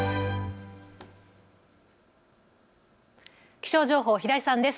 気象情報、平井さんです。